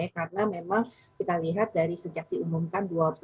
karena memang kita lihat dari sejak diumumkan